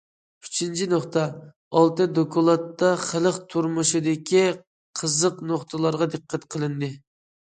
ئۈچىنچى نۇقتا: ئالتە دوكلاتتا خەلق تۇرمۇشىدىكى قىزىق نۇقتىلارغا دىققەت قىلىندى.